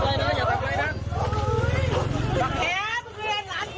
สวัสดีครับคุณผู้ชาย